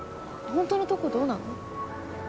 本当のとこどうなの？